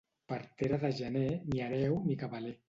Partera de gener, ni hereu ni cabaler.